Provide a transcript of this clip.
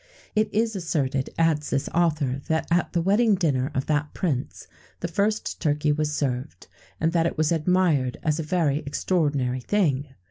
[XVII 114] It is asserted, adds this author, that at the wedding dinner of that Prince the first turkey was served, and that it was admired as a very extraordinary thing.